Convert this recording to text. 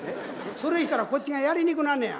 それしたらこっちがやりにくなんねや。